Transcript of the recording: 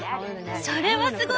それはすごい！